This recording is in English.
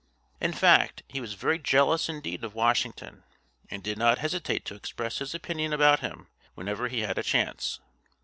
In fact, he was very jealous indeed of Washington, and did not hesitate to express his opinion about him whenever he had a chance.